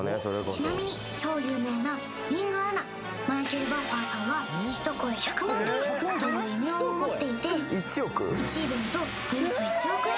ちなみに超有名なリングアナマイケル・バッファーさんは「一声１００万ドル」という異名を持っていて１イベントおよそ１億円